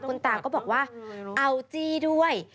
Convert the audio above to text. คุณตาก็บอกว่าเอาจี้ด้วย